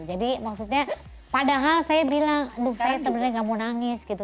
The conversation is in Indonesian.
jadi maksudnya padahal saya bilang aduh saya sebenarnya gak mau nangis gitu